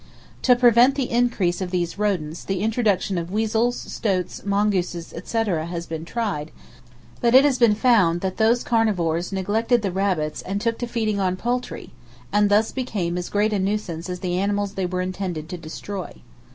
"To prevent the increase of these rodents, the introduction of weasels, stoats, mongooses, etc., has been tried; but it has been found that those carnivores neglected the rabbits and took to feeding on poultry, and thus became as great a nuisance as the animals they were intended to destroy.